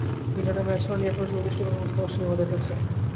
ইডেনে ম্যাচ হওয়া নিয়ে এখনো সুনির্দিষ্ট কোনো প্রস্তাব আসেনি আমাদের কাছে।